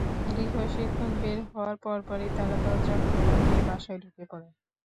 গৃহশিক্ষক বের হওয়ার পরপরই তাঁরা দরজা খোলা পেয়ে বাসায় ঢুকে পড়েন।